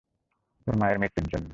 তোর মায়ের মৃত্যুর জন্য।